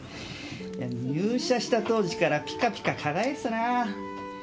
入社した当時からピカピカ輝いてたな。